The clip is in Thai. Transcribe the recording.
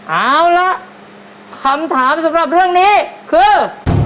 เอาละคำถามสำหรับเรื่องนี้คือ